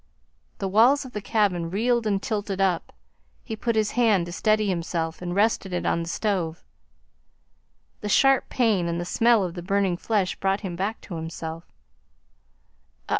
The walls of the cabin reeled and tilted up. He put out his hand to steady himself and rested it on the stove. The sharp pain and the smell of the burning flesh brought him back to himself.